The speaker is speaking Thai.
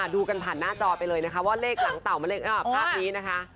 ดูกันผ่านหน้าจอไปเลยนะคะว่าเลขหลังเต่ามาเลขภาพนี้นะคะ